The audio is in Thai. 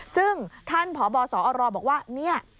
ซึ่งท่านพบสอรบอกว่าเนี่ย